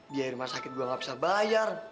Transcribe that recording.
biaya rumah sakit gue gak bisa bayar